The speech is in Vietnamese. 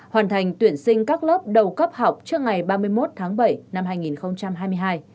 hoàn thành tuyển sinh các lớp đầu cấp học trước ngày ba mươi một tháng bảy năm hai nghìn hai mươi hai